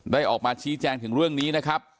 ออกมาชี้แจงถึงเรื่องนี้นะครับ